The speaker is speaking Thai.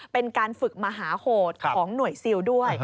เป็นการฝึกมหาโหดของหน่วยซิลด้วย